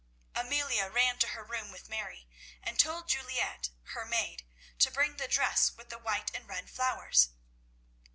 Amelia ran to her room with Mary, and told Juliette, her maid, to bring the dress with the white and red flowers.